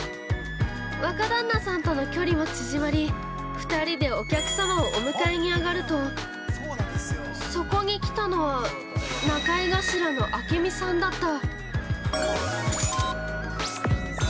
若旦那さんとの距離も縮まり２人でお客様をお迎えに上がるとそこに来たのは中居頭の、あけみさんだった。